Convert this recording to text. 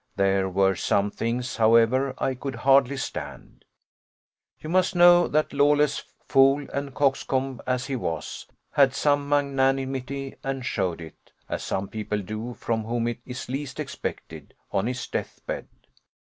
There were some things, however, I could hardly stand. You must know that Lawless, fool and coxcomb as he was, had some magnanimity, and showed it as some people do from whom it is least expected on his death bed.